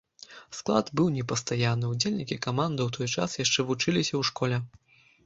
Склад быў непастаянны, удзельнікі каманды ў той час яшчэ вучыліся ў школе.